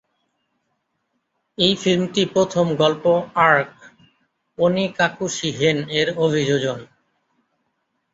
এই ফিল্মটি প্রথম গল্প আর্ক, "ওনিকাকুশি-হেন"-এর অভিযোজন।